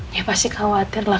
ya pasti khawatir lah